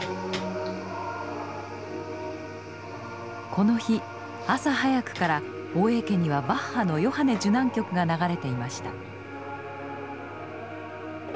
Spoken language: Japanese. この日朝早くから大江家にはバッハの「ヨハネ受難曲」が流れていました。